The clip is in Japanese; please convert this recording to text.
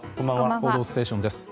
「報道ステーション」です。